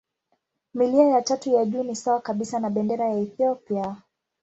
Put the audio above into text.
Milia ya tatu ya juu ni sawa kabisa na bendera ya Ethiopia.